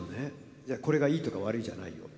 いやこれがいいとか悪いじゃないよ。